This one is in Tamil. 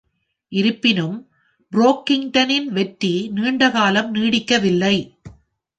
இருப்பினும், ப்ரோக்கிங்டனின் வெற்றி நீண்டகாலம் நீடிக்கவில்லை.